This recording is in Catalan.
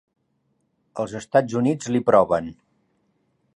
Els Estats Units li proven.